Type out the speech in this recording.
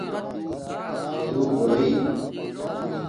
دُور ݸئئ